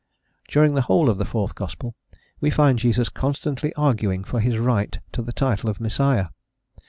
During the whole of the fourth gospel, we find Jesus constantly arguing for his right to the title of Messiah.